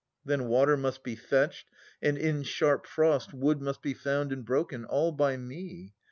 Then water must be fetched, and in sharp frost Wood must be found and broken, — all by me.